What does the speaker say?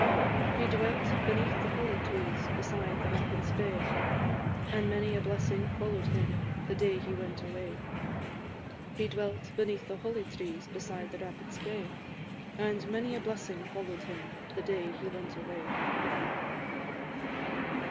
"He dwelt beneath the holly trees, beside the rapid Spey, And many a blessing follow'd him, the day he went away. He dwelt beneath the holly trees, beside the rapid Spey, And many a blessing follow'd him, the day he went away."